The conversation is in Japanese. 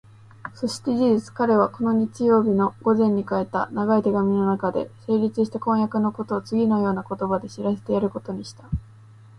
そして事実、彼はこの日曜日の午前に書いた長い手紙のなかで、成立した婚約のことをつぎのような言葉で知らせてやることにした。